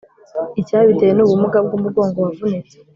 icyabiteye ni ubumuga bw’umugongo wavunitse